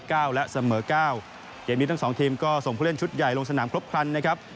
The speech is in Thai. เกมนี้ทั้งสองทีมก็ส่งผู้เล่นชุดใหญ่ลงสนามครบครันนะครับ